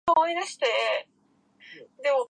児玉幹太児玉幹太児玉幹太